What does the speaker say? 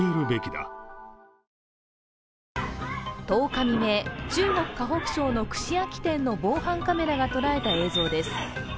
１０日未明、中国・河北省の串焼き店の防犯カメラが捉えた映像です。